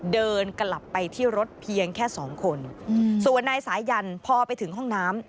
เดินกลับไปที่รถเพียงแค่สองคนส่วนนายสายันพอไปถึงห้องน้ำ